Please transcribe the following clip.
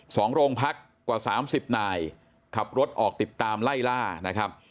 สองโรงพักกว่าสามสิบนายขับรถออกติดตามไล่ล่านะครับ